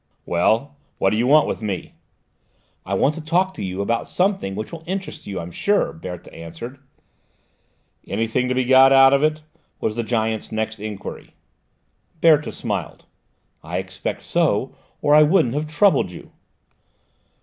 "Well, what do you want with me?" "I want to talk to you about something which will interest you, I'm sure," Berthe answered. "Anything to be got out of it?" was the giant's next enquiry. Berthe smiled. "I expect so, or I wouldn't have troubled you."